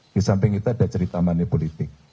di samping itu ada cerita manipulatif